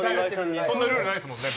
そんなルールないですもんね。